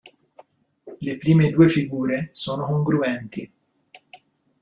Le prime due figure sono congruenti.